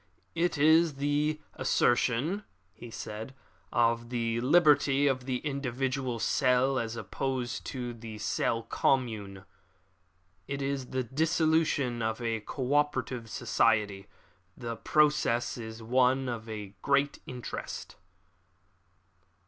"It is the assertion," he said, "of the liberty of the individual cell as opposed to the cell commune. It is the dissolution of a co operative society. The process is one of great interest."